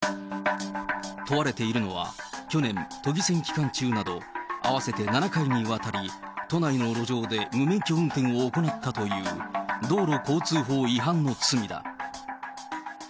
問われているのは、去年、都議選期間中など合わせて７回にわたり、都内の路上で無免許運転を行ったという、道路交通法違反の罪だ。